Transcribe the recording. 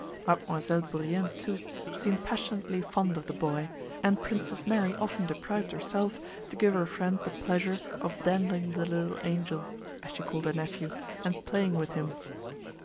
Mademoiselle Bourienne, too, seemed passionately fond of the boy, and Princess Mary often deprived herself to give her friend the pleasure of dandling the little angel—as she called her nephew—and playing with him.